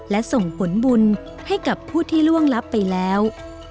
และส่งผลบุญให้กับผู้ที่ล่วงลับไปแล้ว